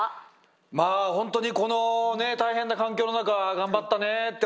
まあ本当にこのね大変な環境の中頑張ったねって